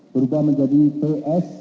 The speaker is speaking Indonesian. berubah menjadi ps